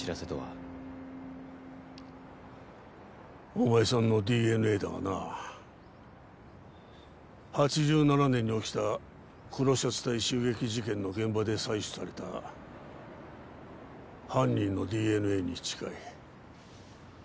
お前さんのＤＮＡだがな８７年に起きた黒シャツ隊襲撃事件の現場で採取された犯人のＤＮＡに近い。